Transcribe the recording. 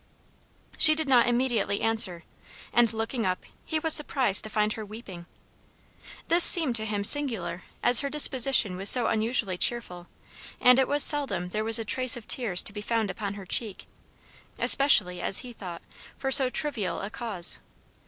She did not immediately answer; and looking up, he was surprised to find her weeping. This seemed to him singular, as her disposition was so unusually cheerful, and it was seldom there was a trace of tears to be found upon her cheek, especially, as he thought, for so trivial a cause.